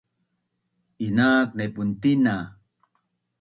Inak naipun tina